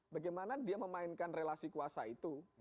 bagaimana dia memainkan relasi kuasa itu